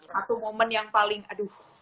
satu momen yang paling aduh